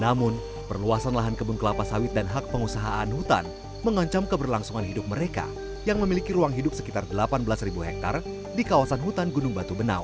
namun perluasan lahan kebun kelapa sawit dan hak pengusahaan hutan mengancam keberlangsungan hidup mereka yang memiliki ruang hidup sekitar delapan belas hektare di kawasan hutan gunung batu benau